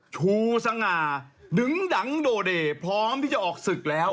ชูสง่าดึงดังโดเด่พร้อมที่จะออกศึกแล้ว